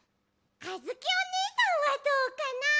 あづきおねえさんはどうかな？